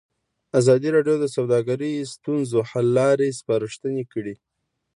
ازادي راډیو د سوداګري د ستونزو حل لارې سپارښتنې کړي.